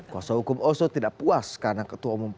kuasa hukum oso tidak puas karena ketua umum ps